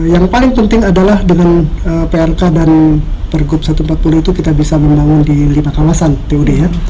yang paling penting adalah dengan prk dan pergub satu ratus empat puluh itu kita bisa membangun di lima kawasan tod ya